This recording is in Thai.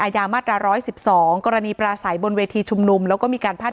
ยามาตรา๑๑๒กรณีปราศัยบนเวทีชุมนุมแล้วก็มีการพาด